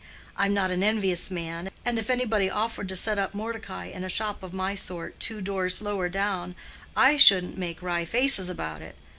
I'm not an envious man, and if anybody offered to set up Mordecai in a shop of my sort two doors lower down, I shouldn't make wry faces about it.